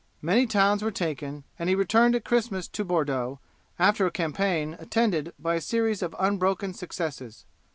Many towns were taken, and he returned at Christmas to Bordeaux after a campaign attended by a series of unbroken successes.